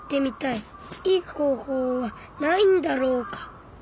いい方法はないんだろうか。